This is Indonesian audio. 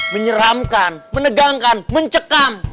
menyeramkan menegangkan mencekam